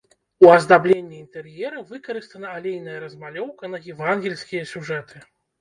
У аздабленні інтэр'ера выкарыстана алейная размалёўка на евангельскія сюжэты.